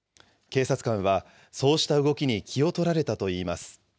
警察官は、そうした動きに気を取られたといいます。